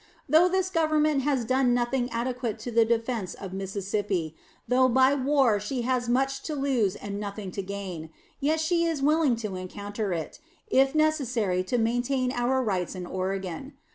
Though this Government has done nothing adequate to the defense of Mississippi, though by war she has much to lose and nothing to gain, yet she is willing to encounter it, if necessary to maintain our rights in Oregon.